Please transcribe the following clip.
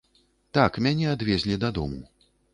Так, мяне адвезлі дадому.